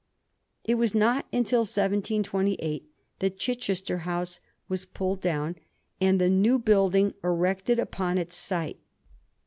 It was not until 1728 that Chichester House was pulled down, and the new building erected upon its site.